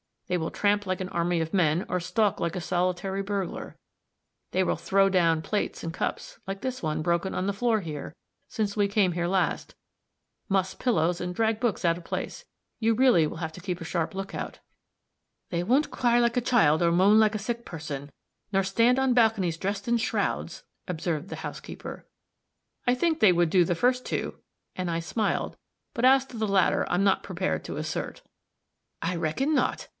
They will tramp like an army of men, or stalk like a solitary burglar. They will throw down plates and cups like this one, broken on the floor here, since we came here last; muss pillows and drag books out of place. You really will have to keep a sharp lookout." "They won't cry like a child, nor moan like a sick person, nor stand on balconies dressed in shrouds!" observed the housekeeper. "I think they would do the first two," and I smiled, "but as to the latter, I'm not prepared to assert." "I reckon not.